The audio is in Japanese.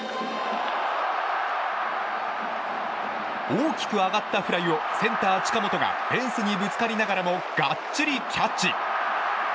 大きく上がったフライをセンター、近本がフェンスにぶつかりながらもがっちりキャッチ。